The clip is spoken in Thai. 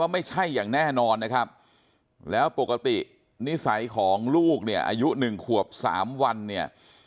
แม่นอนนะครับแล้วปกตินิสัยของลูกเนี่ยอายุ๑ขวบ๓วันเนี่ย